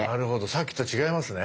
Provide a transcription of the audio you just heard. さっきと違いますね。